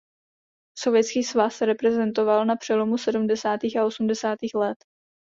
Sovětský svaz reprezentoval na přelomu sedmdesátých a osmdesátých let.